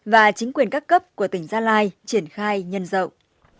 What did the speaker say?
và chính quyền các cấp của tỉnh gia lai triển khai nhân rộng